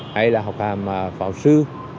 hay là học hàm pháo sư